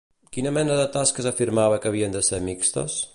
Quina mena de tasques afirmava que havien de ser mixtes?